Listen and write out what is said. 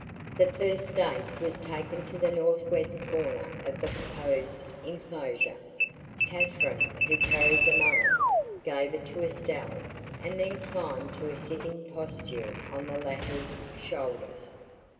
The first stake was taken to the northwest corner of the proposed inclosure. Katherine, who carried the mallet, gave it to Estelle and then climbed to a sitting posture on the latter's shoulders.